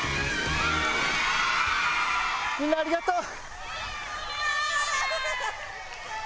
みんなありがとう。